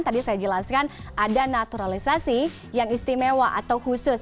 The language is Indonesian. tadi saya jelaskan ada naturalisasi yang istimewa atau khusus